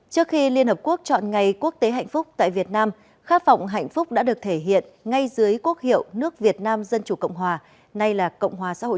trước khi liên hợp quốc chọn ngày quốc tế hạnh phúc tại việt nam khát vọng hạnh phúc đã được thể hiện ngay dưới quốc hiệu nước việt nam dân chủ cộng hòa